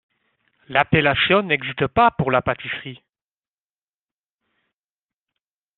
L’appellation n’existe pas pour la pâtisserie.